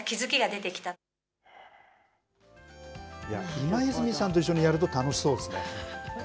今泉さんとやると楽しそうですね。